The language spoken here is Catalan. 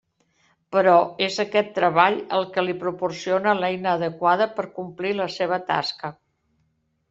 Però, és aquest treball el que li proporciona l'eina adequada per complir la seva tasca.